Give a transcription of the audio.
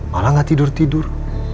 malah gak tidur tidur